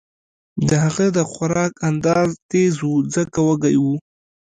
د هغه د خوراک انداز تېز و ځکه وږی و